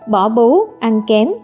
bỏ bú ăn kém